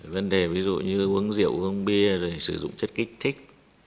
vấn đề ví dụ như uống rượu uống bia rồi sử dụng chất kích thích